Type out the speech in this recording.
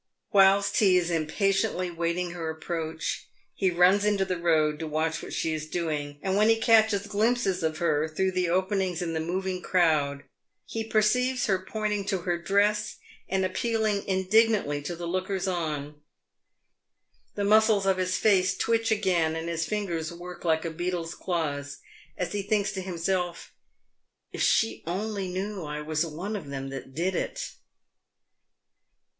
Whilst he is impatiently waiting her approach, he runs into the road to watch what she is doing, and when he catches glimpses of her through the openings in the moving crowd, he perceives her pointing to her dress, and ap pealing indignantly to the lookers on. The muscles of his face twitch again, and his fingers work like a beetle's claws, as he thinks to himself, " If she only knew I was one of them that did it